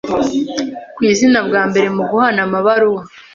ku izina bwa mbere mu guhana amabaruwa